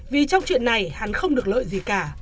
vì trong chuyện này hắn không được lợi gì cả